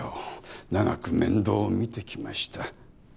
長く面倒見てきました。